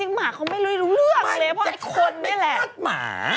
แต่จริงหมาเขาไม่รู้เรื่องเลยเพราะคนนี่แหละ